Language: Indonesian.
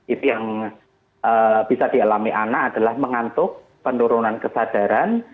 itu yang bisa dialami anak adalah mengantuk penurunan kesadaran